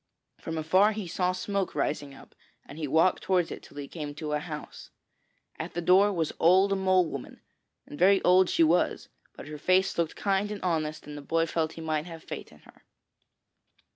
From afar he saw smoke rising up, and he walked towards it till he came to a house. At the door was Old Mole woman, and very old she was, but her face looked kind and honest and the boy felt he might have faith in her.